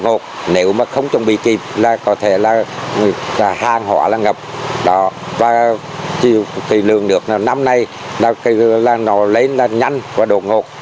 nước lũ lên rất nhanh và đột ngột